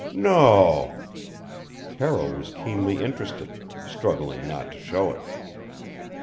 "No?" Carroll was keenly interested struggling not to show it.